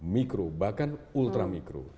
mikro bahkan ultra mikro